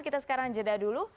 kita sekarang jeda dulu